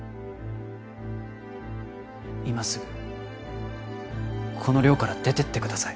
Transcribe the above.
今すぐこの寮から出てってください